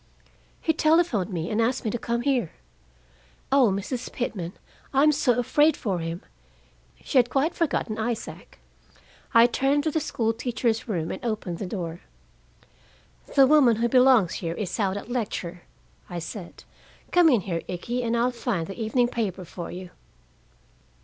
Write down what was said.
"He telephoned me, and asked me to come here. Oh, Mrs. Pitman, I'm so afraid for him!" She had quite forgotten Isaac. I turned to the school teacher's room and opened the door. "The woman who belongs here is out at a lecture," I said. "Come in here, Ikkie, and I'll find the evening paper for you.